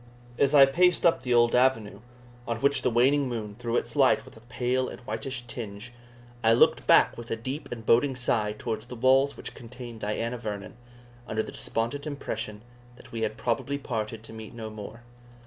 As I paced up the old avenue, on which the waning moon threw its light with a pale and whitish tinge, I looked back with a deep and boding sigh towards the walls which contained Diana Vernon, under the despondent impression that we had probably parted to meet no more.